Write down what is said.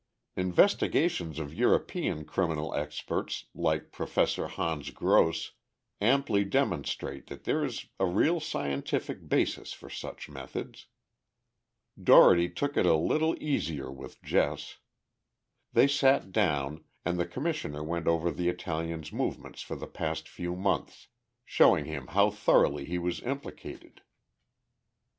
Investigations of European criminal experts like Professor Hans Gross amply demonstrate that there is a real scientific basis for such methods. Dougherty took it a little easier with Jess. They sat down, and the Commissioner went over the Italian's movements for the past few months, showing him how thoroughly he was implicated.